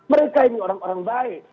mereka ini orang orang baik